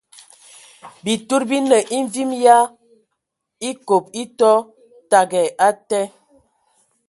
Bitud bi nə e mvim yə a ekob e tɔ təgɛ atɛ.